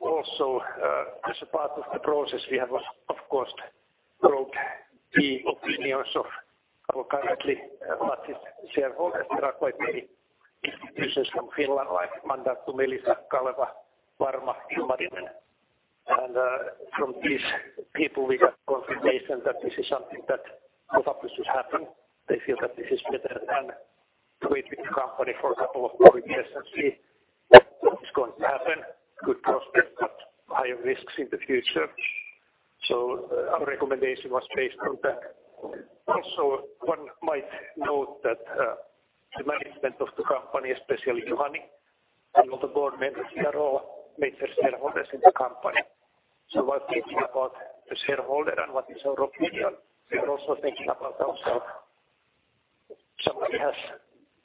Also, as a part of the process, we have, of course, brought the opinions of our currently largest shareholders. There are quite many institutions from Finland, like Mandatum Life, Kaleva, Varma, Ilmarinen. And, from these people, we got confirmation that this is something that probably should happen. They feel that this is better than to wait with the company for a couple of more years and see what is going to happen. Good prospects, but higher risks in the future. So our recommendation was based on that. Also, one might note that, the management of the company, especially Juhani, and all the board members, they are all major shareholders in the company. So while thinking about the shareholder and what is our opinion, we are also thinking about ourselves. Somebody has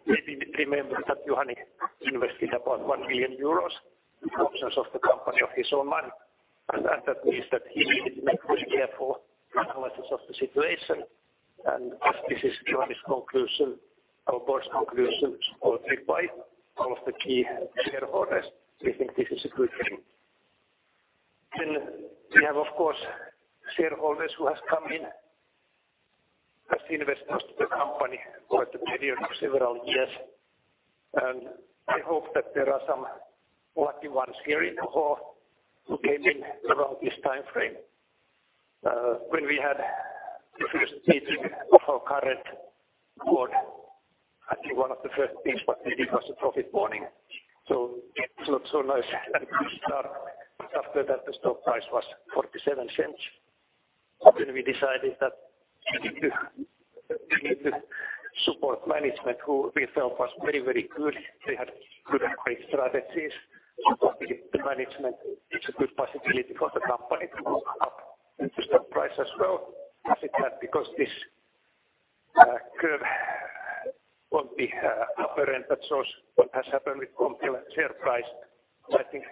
maybe remembered that Juhani invested about 1 million euros in options of the company of his own money, and that, that means that he made very careful analysis of the situation. As this is Juhani's conclusion, our board's conclusions are required, all of the key shareholders, we think this is a good thing. Then we have, of course, shareholders who has come in as investors to the company over the period of several years, and I hope that there are some lucky ones here in the hall who came in around this time frame. When we had the first meeting of our current board, I think one of the first things what we did was a profit warning. So it's not so nice at the start, but after that, the stock price was 0.47. Then we decided that we need to, we need to support management, who we felt was very, very good. They had good and great strategies. Supporting the management is a good possibility for the company to go up, and the stock price as well, as it had, because this curve on the upper end, that shows what has happened with Comptel share price. I think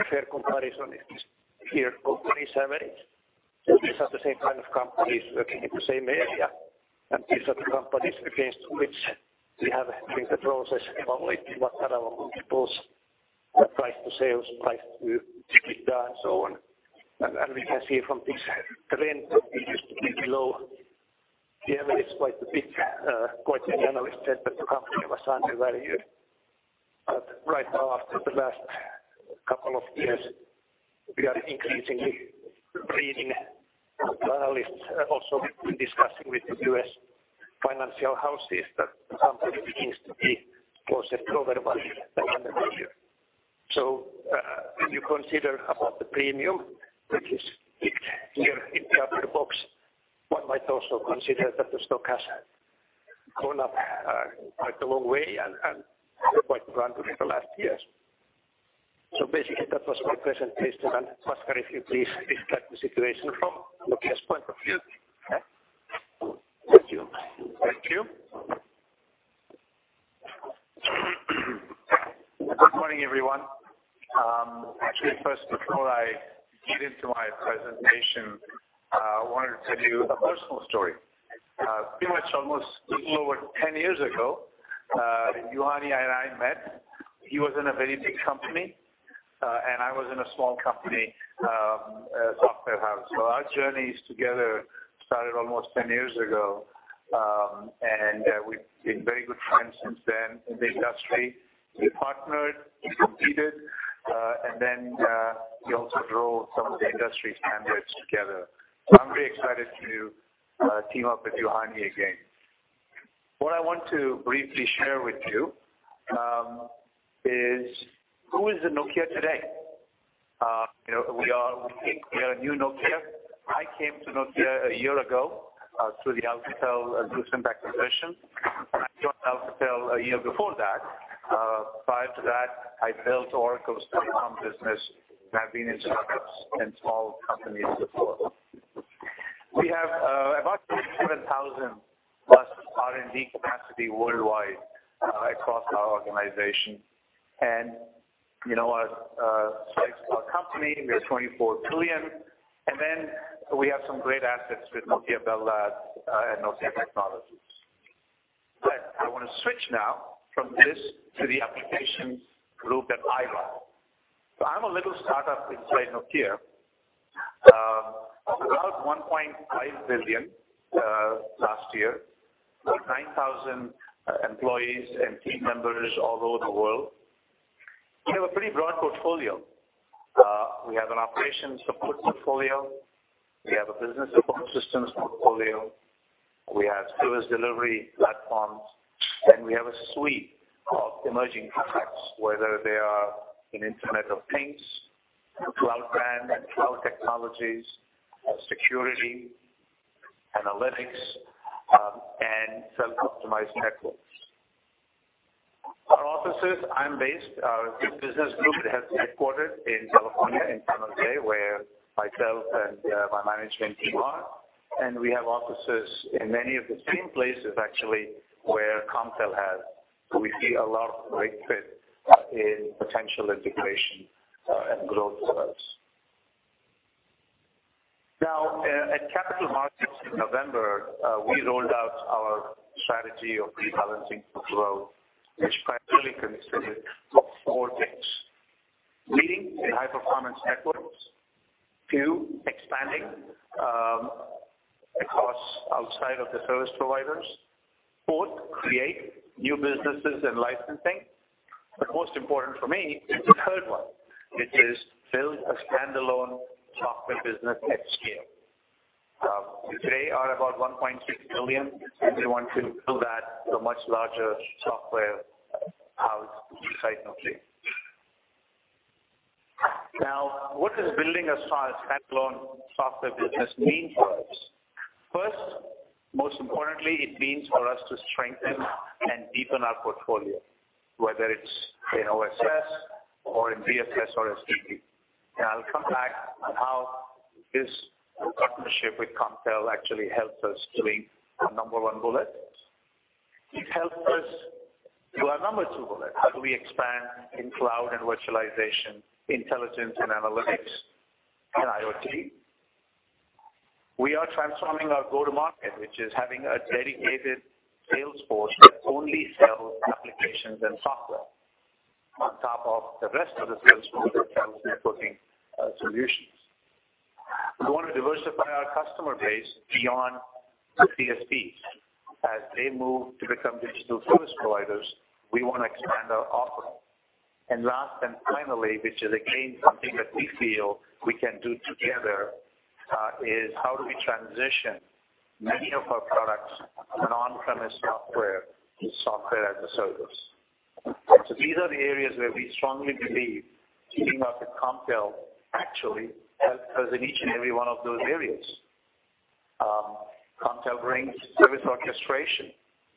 a fair comparison is this here company survey. So these are the same kind of companies working in the same area, and these are the companies against which we have, during the process, evaluated what are our peers', price to sales, price to EBITDA, and so on. And we can see from this trend, we used to be below. The average is quite a bit, quite many analysts said that the company was undervalued. But right now, after the last couple of years, we are increasingly reading analysts, also discussing with the U.S. financial houses, that the company begins to be, was overvalued than undervalued. So, when you consider about the premium, which is here in the upper box, one might also consider that the stock has gone up, quite a long way and, and quite rapidly in the last years. So basically, that was my presentation. And Bhaskar, if you please, describe the situation from Nokia's point of view. Thank you. Thank you. Good morning, everyone. Actually, first, before I get into my presentation, I wanted to tell you a personal story. Pretty much almost a little over 10 years ago, Juhani and I met. He was in a very big company, and I was in a small company, a software house. So our journeys together started almost 10 years ago, and we've been very good friends since then in the industry. We partnered, we competed, and then we also drove some of the industry standards together. So I'm very excited to team up with Juhani again. What I want to briefly share with you is, who is the Nokia today? You know, we are, we are a new Nokia. I came to Nokia a year ago, through the Alcatel-Lucent acquisition. I joined Alcatel a year before that. Prior to that, I built Oracle's telecom business, and I've been in startups and small companies before. We have about 37,000+ R&D capacity worldwide across our organization. And you know what? Size of our company, we are 24 billion, and then we have some great assets with Nokia Bell Labs and Nokia Technologies. But I want to switch now from this to the applications group that I run. So I'm a little startup inside Nokia. About 1.5 billion last year, about 9,000 employees and team members all over the world. We have a pretty broad portfolio. We have an operations support portfolio, we have a business support systems portfolio, we have service delivery platforms, and we have a suite of emerging products, whether they are in Internet of Things, Cloud RAN and cloud technologies, security, analytics, and self-optimized networks. Our offices, I'm based, the business group is headquartered in California, in Palo Alto, where myself and my management team are. And we have offices in many of the same places, actually, where Comptel has. So we see a lot of great fit in potential integration and growth for us. At Capital Markets in November, we rolled out our strategy of rebalancing for growth, which primarily consisted of four things: leading in high performance networks; two, expanding across outside of the service providers; fourth, create new businesses and licensing. But most important for me is the third one, which is build a standalone software business at scale. Today we are about 1.6 billion, and we want to build that to a much larger software house size, hopefully. Now, what does building a standalone software business mean for us? First, most importantly, it means for us to strengthen and deepen our portfolio, whether it's in OSS or in BSS or SDP. And I'll come back on how this partnership with Comptel actually helps us doing the number one bullet. It helps us do our number two bullet. How do we expand in cloud and virtualization, intelligence and analytics, and IoT? We are transforming our go-to-market, which is having a dedicated sales force that only sells applications and software on top of the rest of the sales force that sells networking solutions. We want to diversify our customer base beyond CSPs. As they move to become digital service providers, we wanna expand our offering. And last and finally, which is again, something that we feel we can do together, is how do we transition many of our products from on-premise software to software as a service? So these are the areas where we strongly believe teaming up with Comptel actually helps us in each and every one of those areas. Comptel brings service orchestration,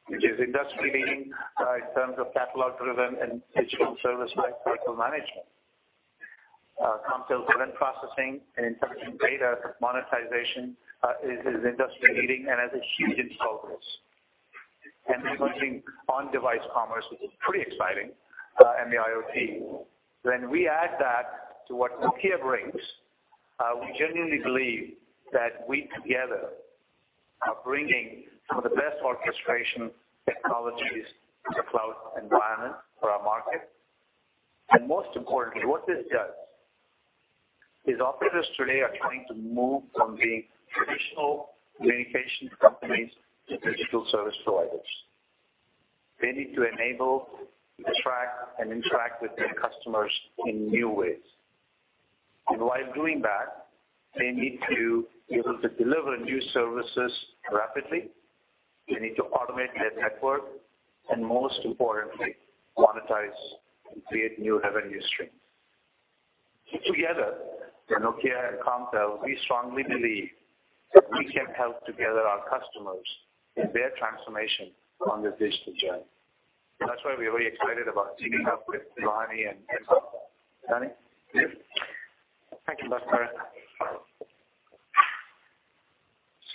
which is industry leading, in terms of catalog-driven and digital service life cycle management. Comptel's event processing and intelligent data monetization is industry leading and has a huge focus. And we're focusing on device commerce, which is pretty exciting, and the IoT. When we add that to what Nokia brings, we genuinely believe that we together are bringing some of the best orchestration technologies to cloud environment for our market. And most importantly, what this does, is operators today are trying to move from being traditional communication companies to digital service providers. They need to enable, attract, and interact with their customers in new ways. And while doing that, they need to be able to deliver new services rapidly. They need to automate their network, and most importantly, monetize and create new revenue streams. Together, the Nokia and Comptel, we strongly believe that we can help together our customers in their transformation on their digital journey. That's why we're very excited about teaming up with Juhani and Comptel. Juhani? Thank you, Bhaskar.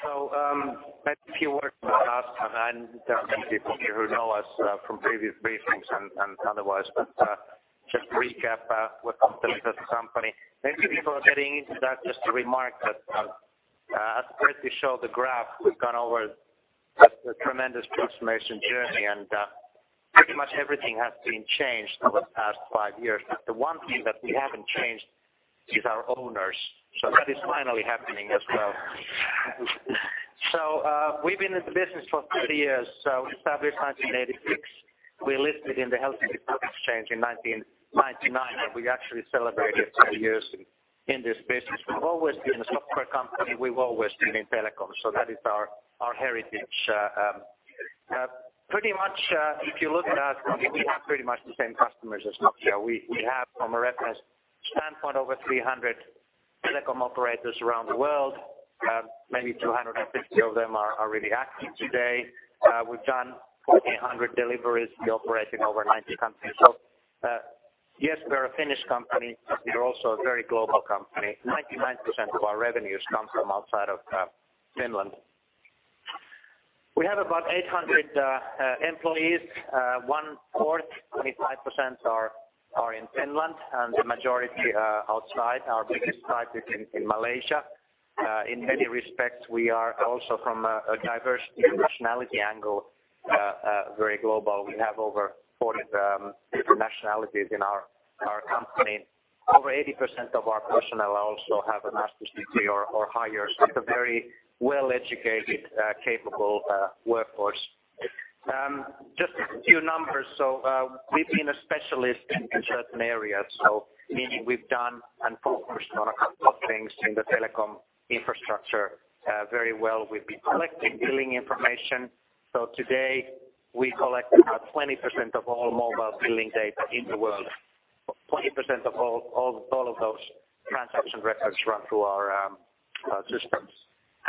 So, a few words about us, and there are many people here who know us from previous briefings and otherwise, but just to recap, what Comptel is as a company. Maybe before getting into that, just to remark that, as Chris showed the graph, we've gone over a tremendous transformation journey, and pretty much everything has been changed over the past five years. But the one thing that we haven't changed is our owners, so that is finally happening as well. So, we've been in the business for 30 years, so established 1986. We listed in the Helsinki Stock Exchange in 1999, but we actually celebrated 10 years in this business. We've always been a software company. We've always been in telecom, so that is our heritage. Pretty much, if you look at us, I mean, we have pretty much the same customers as Nokia. We have, from a reference standpoint, over 300 telecom operators around the world. Maybe 250 of them are really active today. We've done 1,800 deliveries. We operate in over 90 countries. So, yes, we're a Finnish company, but we're also a very global company. 99% of our revenues come from outside of Finland. We have about 800 employees. One fourth, 25% are in Finland, and the majority are outside. Our biggest site is in Malaysia. In many respects, we are also from a diversity and nationality angle, very global. We have over 40 different nationalities in our company. Over 80% of our personnel also have a master's degree or higher, so it's a very well-educated, capable workforce. Just a few numbers. So, we've been a specialist in certain areas, so meaning we've done and focused on a couple of things in the telecom infrastructure very well. We've been collecting billing information, so today we collect about 20% of all mobile billing data in the world. 20% of all those transaction records run through our systems,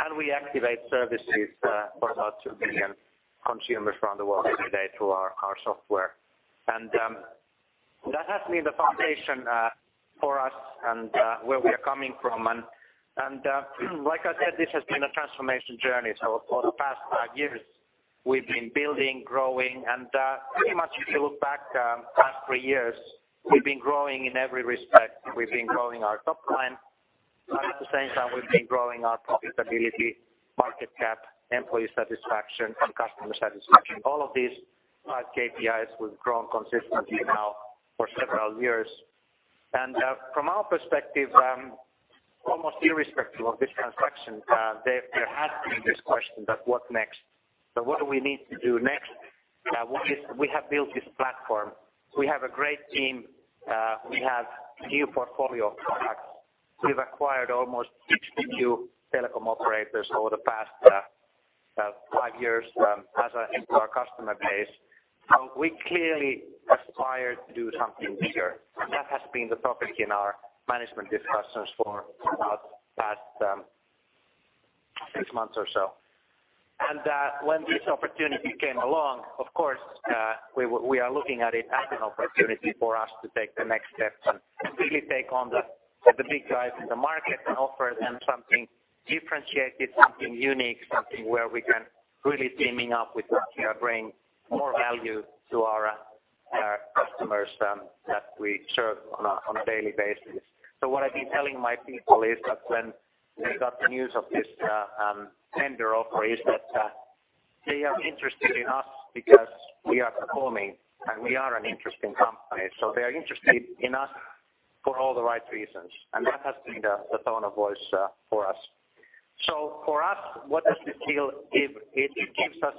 and we activate services for about 2 billion consumers around the world every day through our software. And that has been the foundation for us and where we are coming from. And, like I said, this has been a transformation journey, so for the past five years-... We've been building, growing, and, pretty much if you look back, past three years, we've been growing in every respect. We've been growing our top line, and at the same time, we've been growing our profitability, market cap, employee satisfaction, and customer satisfaction. All of these, KPIs we've grown consistently now for several years. And, from our perspective, almost irrespective of this transaction, there has been this question that what next? So what do we need to do next? What is— We have built this platform. We have a great team. We have new portfolio of products. We've acquired almost 60 new telecom operators over the past, five years, as add to our customer base. So we clearly aspire to do something bigger, and that has been the topic in our management discussions for the past six months or so. And when this opportunity came along, of course, we are looking at it as an opportunity for us to take the next step and really take on the big guys in the market and offer them something differentiated, something unique, something where we can really teaming up with Nokia, bring more value to our our customers that we serve on a daily basis. So what I've been telling my people is that when they got the news of this tender offer, they are interested in us because we are performing, and we are an interesting company. So they are interested in us for all the right reasons, and that has been the tone of voice for us. So for us, what does this deal give? It gives us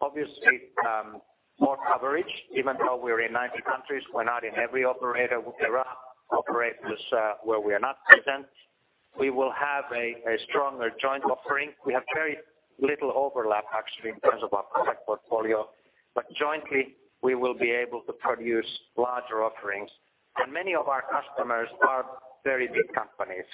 obviously more coverage. Even though we're in 90 countries, we're not in every operator. There are operators where we are not present. We will have a stronger joint offering. We have very little overlap, actually, in terms of our product portfolio, but jointly, we will be able to produce larger offerings. And many of our customers are very big companies.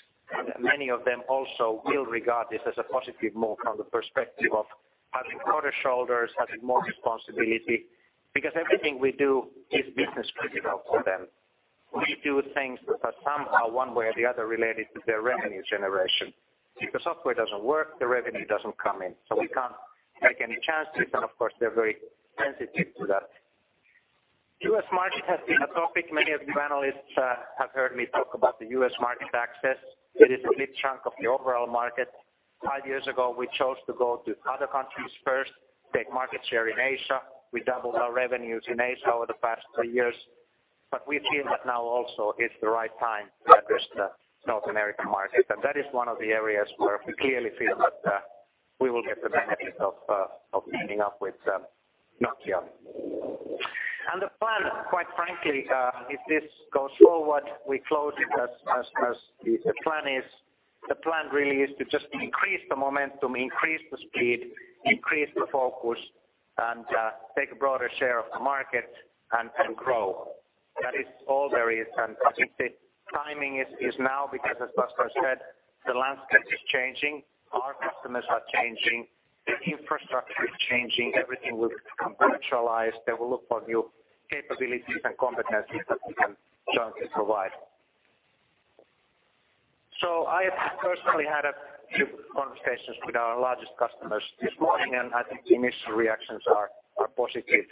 Many of them also will regard this as a positive move from the perspective of having broader shoulders, having more responsibility, because everything we do is business critical for them. We do things that are somehow, one way or the other, related to their revenue generation. If the software doesn't work, the revenue doesn't come in, so we can't make any chances, and of course, they're very sensitive to that. U.S. market has been a topic. Many of you analysts have heard me talk about the U.S. market access. It is a big chunk of the overall market. Five years ago, we chose to go to other countries first, take market share in Asia. We doubled our revenues in Asia over the past three years, but we feel that now also is the right time to address the North American market. And that is one of the areas where we clearly feel that we will get the benefit of teaming up with Nokia. And the plan, quite frankly, if this goes forward, we close it as the plan is, the plan really is to just increase the momentum, increase the speed, increase the focus, and take a broader share of the market and grow. That is all there is, and I think the timing is now, because as Bhaskar said, the landscape is changing, our customers are changing, the infrastructure is changing, everything will become virtualized. They will look for new capabilities and competencies that we can jointly provide. So I have personally had a few conversations with our largest customers this morning, and I think the initial reactions are positive.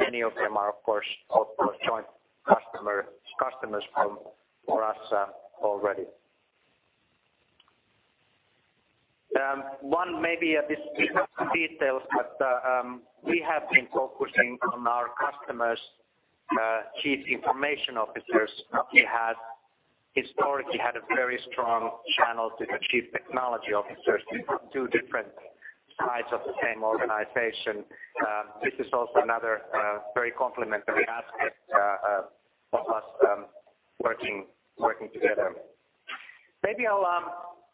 Many of them are, of course, also joint customers for us already. We have been focusing on our customers' Chief Information Officers. We had historically had a very strong channel with the Chief Technology Officers, two different sides of the same organization. This is also another very complementary aspect of us working together. Maybe I'll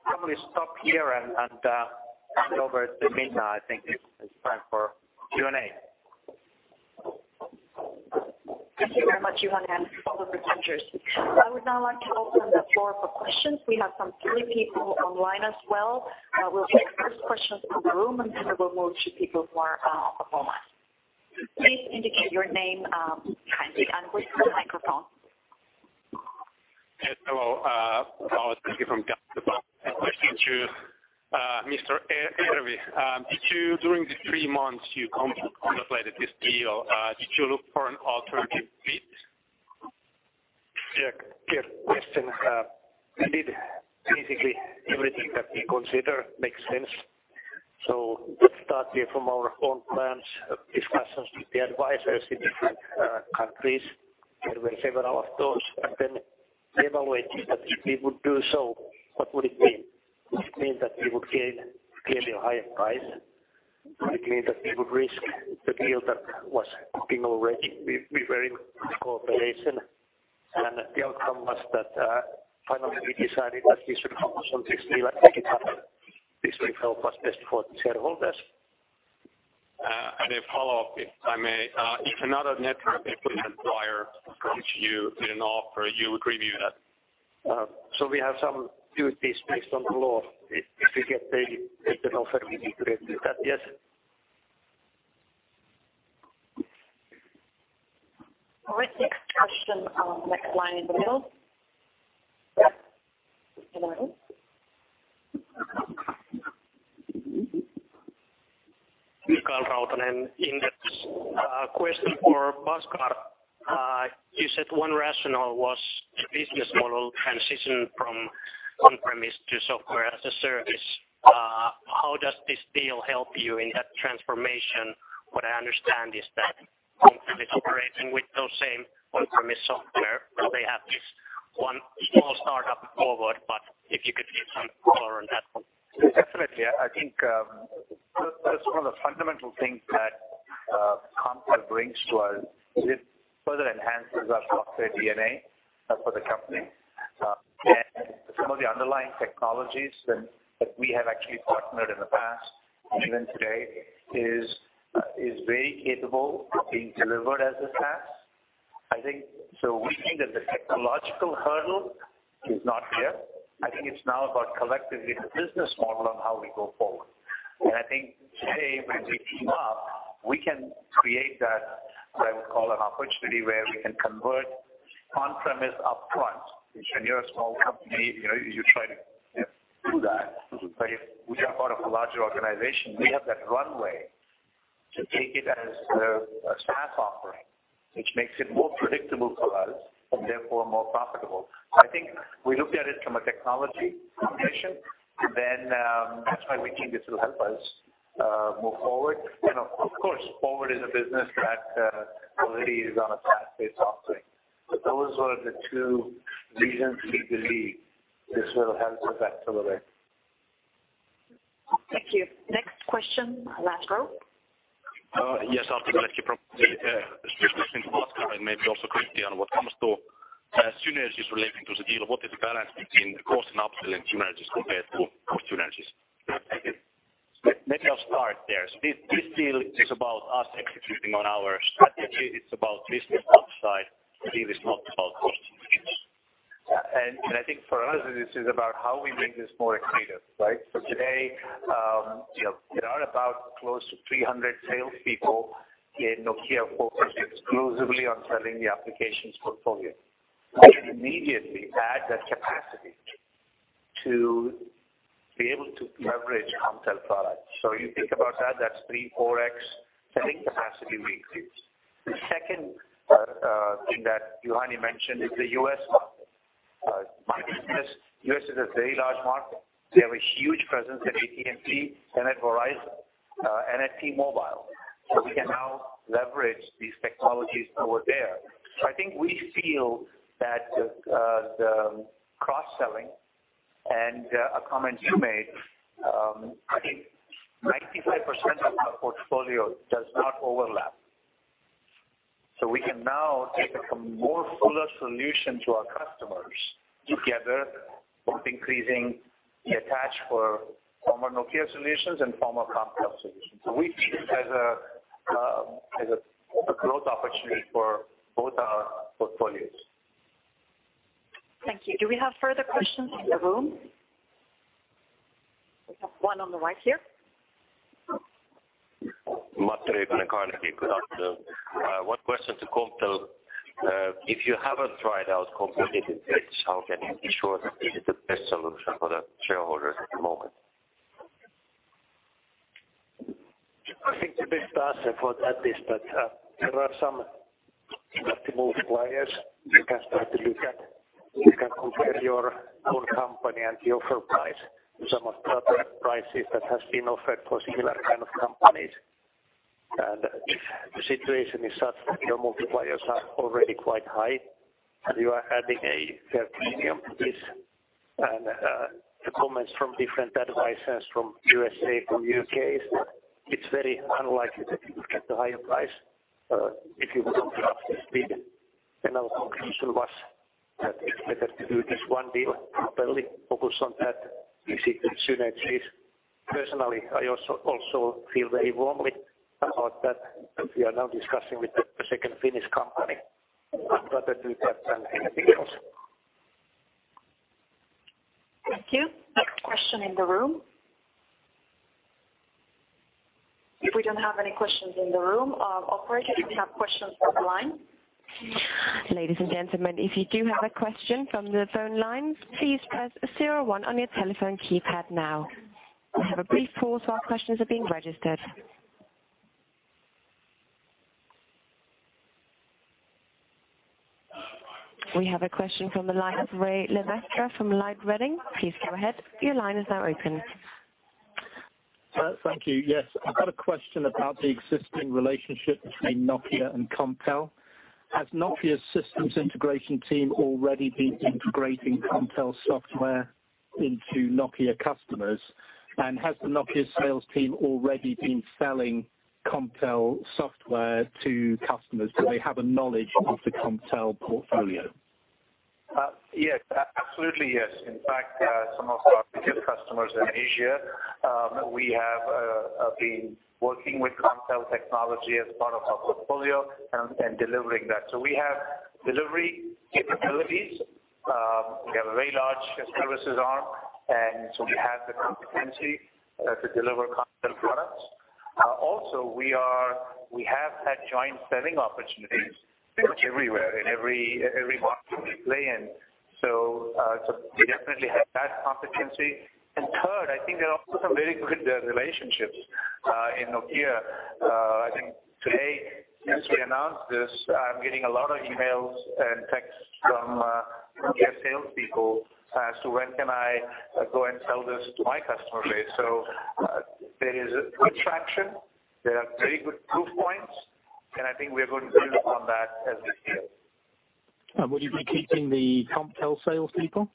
probably stop here and hand over to Minna. I think it's time for Q&A. Thank you very much, Juhani, and all the presenters. I would now like to open the floor for questions. We have some three people online as well. We'll take first questions from the room, and then we'll move to people who are on the phone lines. Please indicate your name, kindly, and wait for the microphone. Yes, hello. Paul from Light Reading, a question to Mr. Ervi. Did you, during the three months you contemplated this deal, did you look for an alternative bid? Yeah, good question. We did. Basically, everything that we consider makes sense. So let's start here from our own plans, discussions with the advisors in different countries. There were several of those, and then evaluating that if we would do so, what would it mean? Would it mean that we would gain clearly a higher price? Would it mean that we would risk the deal that was cooking already? We were in cooperation, and the outcome was that finally, we decided that we should focus on this deal and take it up. This will help us best for the shareholders. A follow-up, if I may. If another network equipment supplier approached you with an offer, you would review that? So we have some duties based on the law. If we get an offer, we need to review that, yes. Great. Next question, next line in the middle. Yep. Good morning. Mikael Rautanen, Inderes. Question for Bhaskar. You said one rationale was the business model transition from on-premise to software as a service. How does this deal help you in that transformation? What I understand is that Comptel is operating with those same on-premise software, where they have this one small startup FWD, but if you could give some color on that one. Definitely. I think that's one of the fundamental things that Comptel brings to us. It further enhances our software DNA for the company. And some of the underlying technologies that we have actually partnered in the past and even today is very capable of being delivered as a SaaS. I think, so we think that the technological hurdle is not there. I think it's now about collectively the business model and how we go forward. And I think today, when we team up, we can create that, what I would call an opportunity, where we can convert on-premise up front. When you're a small company, you know, you try to do that, but if we are part of a larger organization, we have that runway to take it as a SaaS offering, which makes it more predictable for us and therefore more profitable. I think we looked at it from a technology foundation, then that's why we think this will help us move forward. And of course, Forward is a business that already is on a SaaS-based offering. But those were the two reasons we believe this will help that accelerate. Thank you. Next question, last row. Yes, Artem Beletski from SEB. Just a question for Bhaskar, and maybe also quickly on what comes to synergies relating to the deal. What is the balance between the cost and upsell and synergies compared to cost synergies? Let me start there. So this deal is about us executing on our strategy. It's about business upside. The deal is not about cost savings. And I think for us, this is about how we make this more accretive, right? So today, you know, there are about close to 300 salespeople in Nokia focused exclusively on selling the applications portfolio. We immediately add that capacity to be able to leverage Comptel products. So you think about that, that's 3x-4x selling capacity increase. The second thing that Juhani mentioned is the U.S market. My business, the U.S. is a very large market. We have a huge presence at AT&T and at Verizon, and at T-Mobile. So we can now leverage these technologies over there. So I think we feel that the cross-selling and a comment you made, I think 95% of our portfolio does not overlap. So we can now take a more fuller solution to our customers together, both increasing the attach for former Nokia solutions and former Comptel solutions. We see it as a, as a, a growth opportunity for both our portfolios. Thank you. Do we have further questions in the room? We have one on the right here. Matti from Carnegie. Good afternoon. One question to Comptel. If you haven't tried out competitive bids, how can you be sure that this is the best solution for the shareholders at the moment? I think the best answer for that is that, there are some multiple suppliers you can start to look at. You can compare your own company and the offer price to some of the other prices that has been offered for similar kind of companies. And if the situation is such that the multipliers are already quite high, and you are adding a fair premium to this, and, the comments from different advisors from USA, from U.K., is that it's very unlikely that you will get a higher price, if you were to go out to bid. And our conclusion was that it's better to do this one deal properly, focus on that, we see the synergies. Personally, I also feel very warmly about that, we are now discussing with the second Finnish company. I'd rather do that than anything else. Thank you. Next question in the room? If we don't have any questions in the room, operator, do we have questions on the line? Ladies and gentlemen, if you do have a question from the phone lines, please press zero-one on your telephone keypad now. We'll have a brief pause while questions are being registered. We have a question from the line of Ray Le Maistre from Light Reading. Please go ahead. Your line is now open. Thank you. Yes, I've got a question about the existing relationship between Nokia and Comptel. Has Nokia's systems integration team already been integrating Comptel's software into Nokia customers? And has the Nokia sales team already been selling Comptel software to customers? Do they have a knowledge of the Comptel portfolio? Yes, absolutely, yes. In fact, some of our biggest customers in Asia, we have been working with Comptel technology as part of our portfolio and delivering that. So we have delivery capabilities. We have a very large services arm, and so we have the competency to deliver Comptel products. Also, we have had joint selling opportunities pretty much everywhere, in every market we play in. So we definitely have that competency. And third, I think there are also some very good relationships in Nokia. I think today, as we announce this, I'm getting a lot of emails and texts from Nokia salespeople as to when can I go and sell this to my customer base? There is good traction, there are very good proof points, and I think we are going to build upon that as we go. Will you be keeping the Comptel salespeople?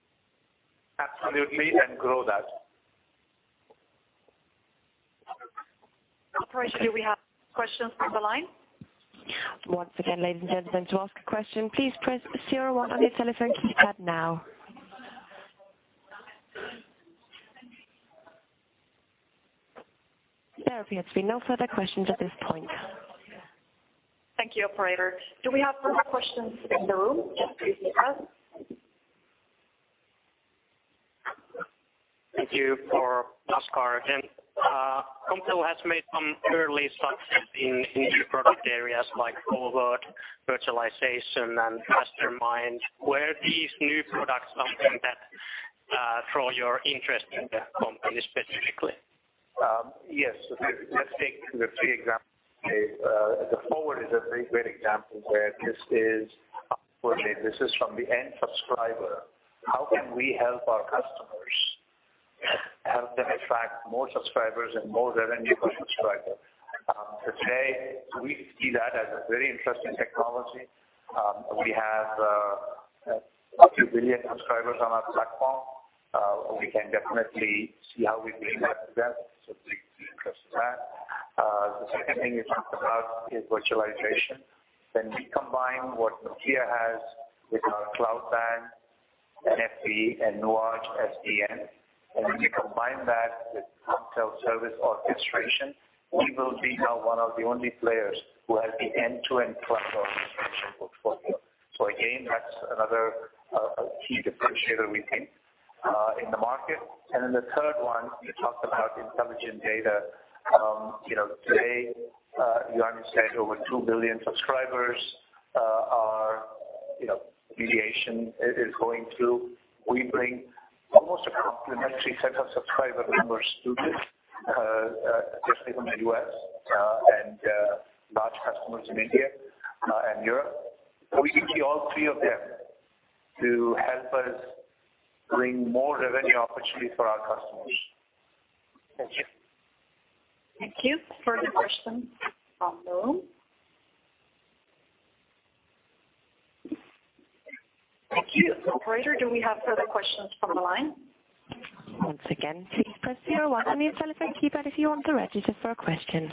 Absolutely, grow that. Operator, do we have questions on the line? Once again, ladies and gentlemen, to ask a question, please press zero one on your telephone keypad now. There appears to be no further questions at this point. Thank you, operator. Do we have further questions in the room? Yes, please go ahead. Thank you for Bhaskar. Comptel has made some early success in new product areas like Forward, Virtualization, and Fastermind. Were these new products something that draw your interest in the company specifically? Yes. Let's take the three examples. The Forward is a very great example where this is, where this is from the end subscriber. How can we help our customers, help them attract more subscribers and more revenue per subscriber? Today, we see that as a very interesting technology. We have up to 1 billion subscribers on our platform. We can definitely see how we bring that to them, so very interested in that. The second thing you talked about is virtualization. When we combine what Nokia has with our cloud WAN, NFV, and Nuage SDN, and when you combine that with Comptel service orchestration, we will be now one of the only players who has the end-to-end cloud orchestration portfolio. So again, that's another a key differentiator, we think, in the market. Then the third one, you talked about intelligent data. You know, today, Juhani said over 2 billion subscribers are, you know, mediation is going to. We bring almost a complementary set of subscriber numbers to this, just like in the U.S., and large customers in India and Europe. We can see all three of them to help us bring more revenue opportunities for our customers. Thank you. Thank you. Further questions from the room? Thank you. Operator, do we have further questions from the line? Once again, please press zero one on your telephone keypad if you want to register for a question.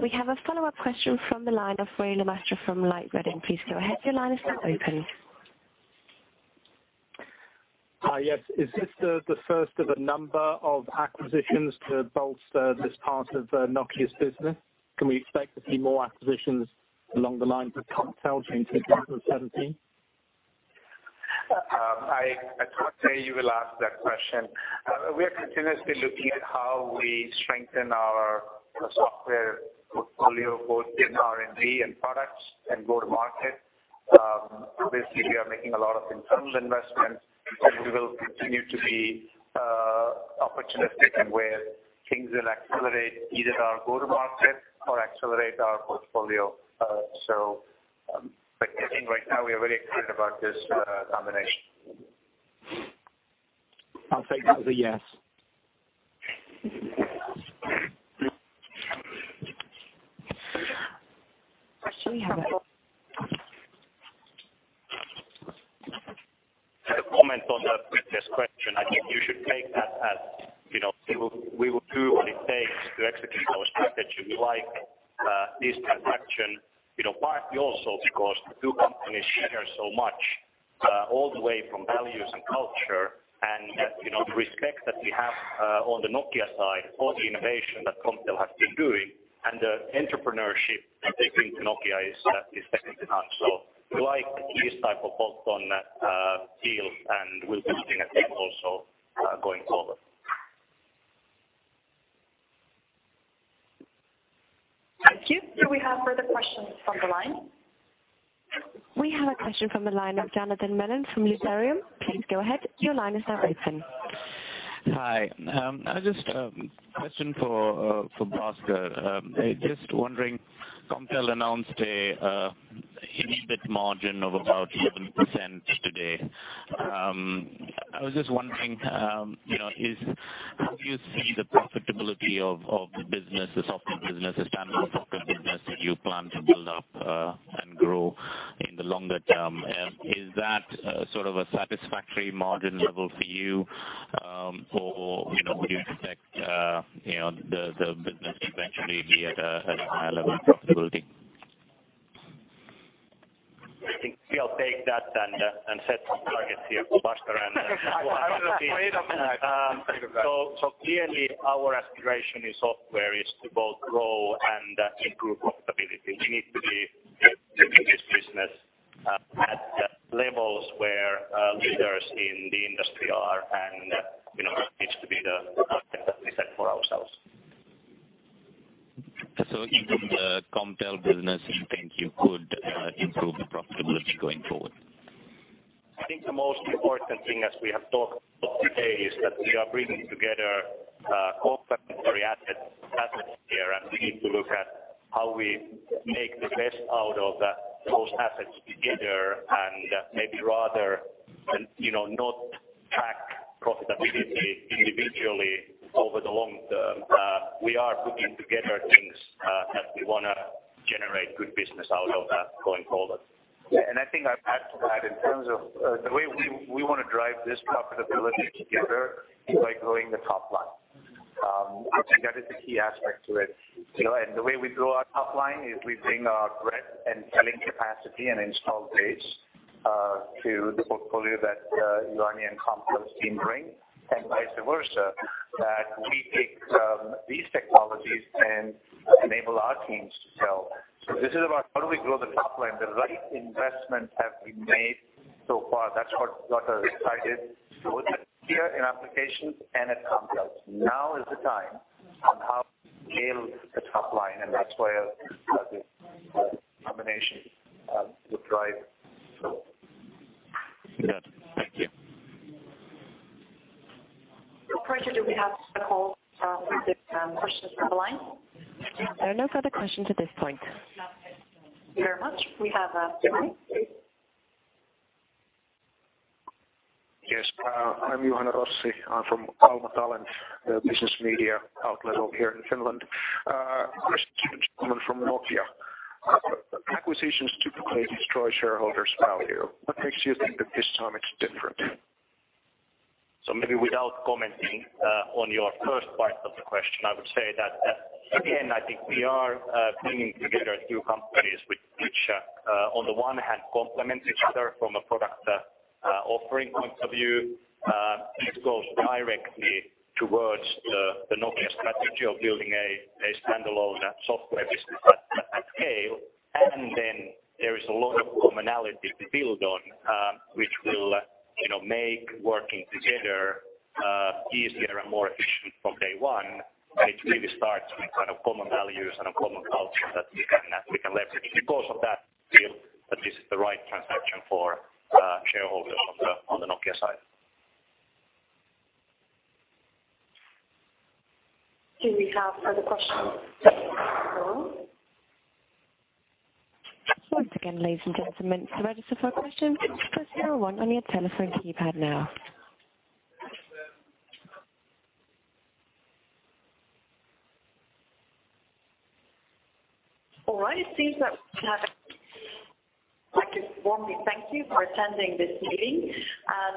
We have a follow-up question from the line of Iain Morris from Light Reading. Please go ahead. Your line is now open. Hi. Yes. Is this the first of a number of acquisitions to bolster this part of Nokia's business? Can we expect to see more acquisitions along the lines of Comptel in 2017? I thought today you will ask that question. We are continuously looking at how we strengthen our software portfolio, both in R&D and products and go-to-market. Basically, we are making a lot of internal investments, and we will continue to be opportunistic in where things will accelerate either our go-to-market or accelerate our portfolio. So, but I think right now we are very excited about this combination. I'll take that as a yes. We have a- As a comment on the previous question, I think you should take that as, you know, we will, we will do what it takes to execute our strategy. We like, this transaction, you know, partly also because the two companies share so much, all the way from values and culture, and that, you know, the respect that we have, on the Nokia side for the innovation that Comptel has been doing, and the entrepreneurship that they bring to Nokia is, is second to none. So we like this type of bolt-on, deal, and we'll be looking at them also, going forward. Thank you. Do we have further questions from the line? We have a question from the line of Janardan Menon from Liberum. Please go ahead. Your line is now open. Hi. I just question for for Bhaskar. Just wondering, Comptel announced a EBIT margin of about 11% today. I was just wondering, you know, is- how do you see the profitability of of the business, the software business, this kind of software business that you plan to build up and grow in the longer term? Is that sort of a satisfactory margin level for you? Or, you know, would you expect, you know, the the business to eventually be at a at a higher level of profitability? I can still take that and, and set some targets here for BSS and OSS, so clearly, our aspiration in software is to both grow and improve profitability. We need to be taking this business at levels where leaders in the industry are, and, you know, that needs to be the target that we set for ourselves. So even the Comptel business, you think you could improve the profitability going forward? I think the most important thing, as we have talked about today, is that we are bringing together complementary assets, assets here, and we need to look at how we make the best out of that, those assets together, and maybe rather than, you know, not track profitability individually over the long term, we are putting together things that we wanna generate good business out of that going forward. Yeah, and I think I'd add to that in terms of the way we wanna drive this profitability together is by growing the top line. I think that is the key aspect to it, you know? And the way we grow our top line is we bring our breadth and selling capacity and install base to the portfolio that Juhani and Comptel's team bring, and vice versa, that we take these technologies and enable our teams to sell. So this is about how do we grow the top line? The right investments have been made so far. That's what got us excited both here in applications and at Comptel. Now is the time on how we build the top line, and that's where the combination will drive. So. Good. Thank you. Operator, do we have a call with the questions on the line? There are no further questions at this point. Thank you very much. We have, Juhani. Yes, I'm Juhani Rossi. I'm from Alma Talent, a business media outlet over here in Finland. First, gentlemen from Nokia, acquisitions typically destroy shareholders' value. What makes you think that this time it's different? So maybe without commenting on your first part of the question, I would say that, again, I think we are bringing together two companies which, on the one hand, complement each other from a product offering point of view. This goes directly towards the Nokia strategy of building a standalone software business at scale. And then there is a lot of commonality to build on, which will, you know, make working together easier and more efficient from day one. And it really starts with kind of common values and a common culture that we can leverage. Because of that, feel that this is the right transaction for shareholders on the Nokia side. Do we have further questions? Once again, ladies and gentlemen, to register for a question, press star one on your telephone keypad now. All right, it seems that we have. I'd like to warmly thank you for attending this meeting, and.